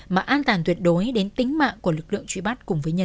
mà an tàn tuyệt đối đến tính mạng của lực lượng truy bắt